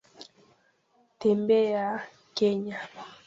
Tembea Kenya.